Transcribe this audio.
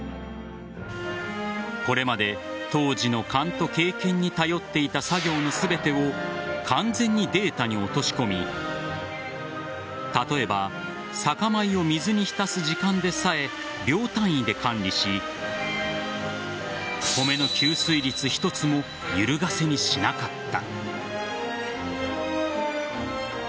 これまで杜氏の勘と経験に頼っていた作業の全てを完全にデータに落とし込み例えば酒米を水に浸す時間でさえ秒単位で管理し米の吸水率一つもゆるがせにしなかった。